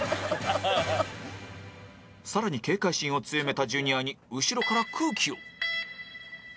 さらに警戒心を強めたジュニアに後ろから空気を